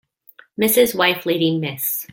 Mrs. wife lady Miss